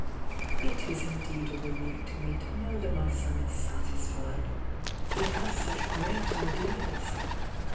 "It is indeed a relief to me to know that my son is satisfied ! He has such great ideas!